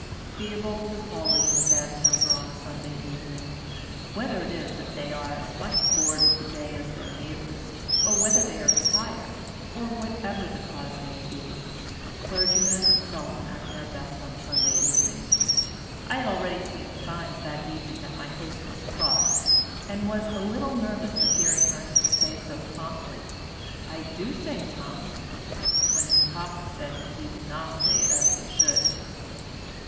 Theobald was always in a bad temper on Sunday evening. Whether it is that they are as much bored with the day as their neighbours, or whether they are tired, or whatever the cause may be, clergymen are seldom at their best on Sunday evening; I had already seen signs that evening that my host was cross, and was a little nervous at hearing Ernest say so promptly "I do say tum," when his papa had said he did not say it as he should.